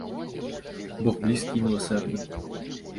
Бог блізкі і міласэрны.